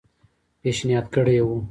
پېشنهاد کړی وو.